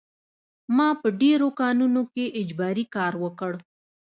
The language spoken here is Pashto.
ما په ډېرو کانونو کې اجباري کار وکړ